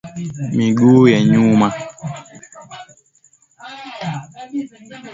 miguu ya nyuma